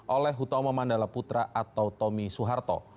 oleh hutomo mandala putra atau tommy suharto